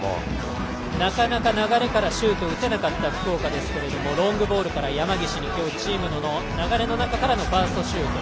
なかなか流れからシュートを打てなかった福岡ですがロングボールから山岸にチームの流れの中からのファーストシュート。